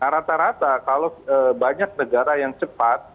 rata rata kalau banyak negara yang cepat